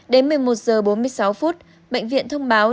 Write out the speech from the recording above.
đến một mươi một h bốn mươi sáu phút bệnh viện thông báo